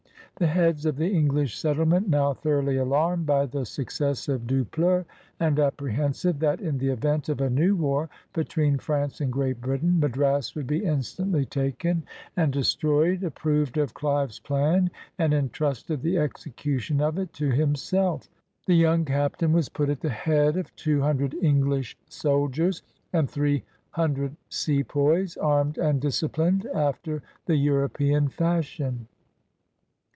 The heads of the English settlement, now thoroughly alarmed by the success of Dupleix, and apprehensive that, in the event of a new war between France and Great Britain, Madras would be instantly taken and 151 INDIA destroyed, approved of Clive's plan, and intrusted the execution of it to himself. The young captain was put at the head of two hundred English soldiers, and three hundred sepoys, armed and disciplined after the Euro pean fashion.